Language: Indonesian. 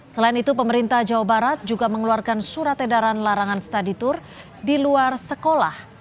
selain itu pemerintah jawa barat juga mengeluarkan surat edaran larangan study tour di luar sekolah